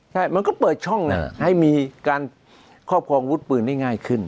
ใช่มันก็เปิดช่องให้มีการครอบครองวุฒิปืนได้ง่ายขึ้น